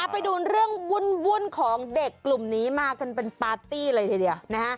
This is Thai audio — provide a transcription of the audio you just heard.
ไปดูเรื่องวุ่นของเด็กกลุ่มนี้มากันเป็นปาร์ตี้เลยทีเดียว